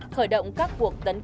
khởi động các cuộc tấn công